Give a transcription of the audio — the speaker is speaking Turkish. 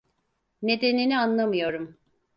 Nedenini anlamıyorum.